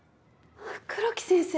黒木先生！